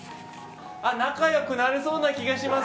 仲良くなれそうな気がします。